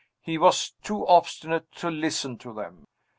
He was too obstinate to listen to them.